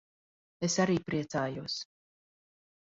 Es arī priecājos.